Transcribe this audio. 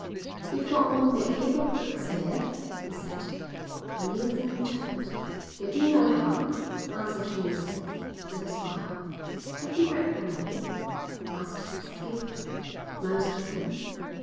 "You've got one big heap of books here," he said, when Neilson returned. "They do no harm," answered Neilson with a smile. "Have you read them all?" asked the skipper. "Most of them."